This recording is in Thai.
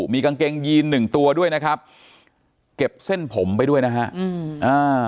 มีกางเกงยีนหนึ่งตัวด้วยนะครับเก็บเส้นผมไปด้วยนะฮะอืมอ่า